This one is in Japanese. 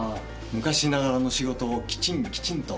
昔ながらの仕事をきちんきちんと。